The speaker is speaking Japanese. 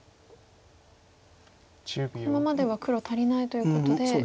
このままでは黒足りないということで。